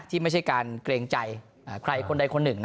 ที่ไม่ใช่การเกรงใจใครคนใดคนหนึ่ง